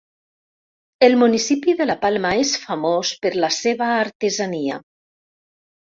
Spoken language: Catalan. El municipi de La Palma és famós per la seva artesania.